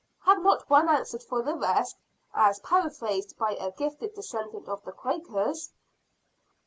Had not one answered for the rest, as paraphrased by a gifted descendant of the Quakers?